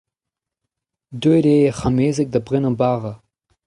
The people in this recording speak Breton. Deuet eo hec'h amezeg da brenañ bara.